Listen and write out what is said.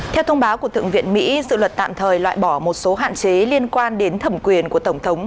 theo thông báo của thượng viện mỹ dự luật tạm thời loại bỏ một số hạn chế liên quan đến thẩm quyền của tổng thống